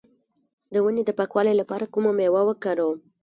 د وینې د پاکوالي لپاره کومه میوه وکاروم؟